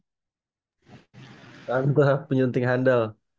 selamat malam penyunting handal